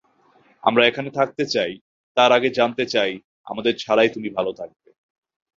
আমরা এখানে থাকতে চাই, তার আগে জানতে চাই আমাদের ছাড়াই তুমি ভালো থাকবে।